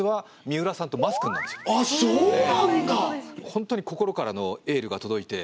本当に心からのエールが届いて。